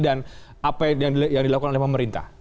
dan apa yang dilakukan oleh pemerintah